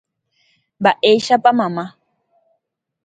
Mba'éichapa mamá.